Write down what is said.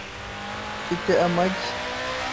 Mfite amagi .